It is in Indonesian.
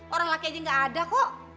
orang laki aja gak ada kok